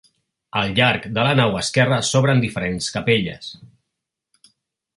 Al llarg de la nau esquerra s'obren diferents capelles.